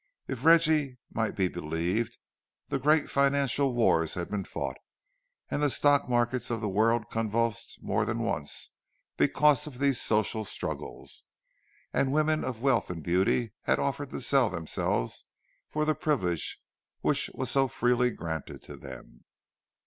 If Reggie might be believed, great financial wars had been fought, and the stock markets of the world convulsed more than once, because of these social struggles; and women of wealth and beauty had offered to sell themselves for the privilege which was so freely granted to them.